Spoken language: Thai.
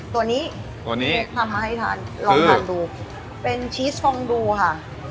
ตัวนี้ตัวนี้ไปทานจะทานดูค่ะเป็นค่ะ